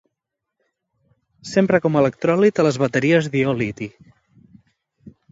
S'empra com electròlit a les bateries d'ió liti.